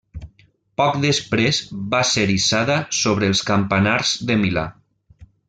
Poc després va ser hissada sobre els campanars de Milà.